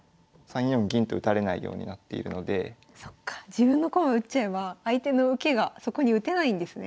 自分の駒打っちゃえば相手の受けがそこに打てないんですね。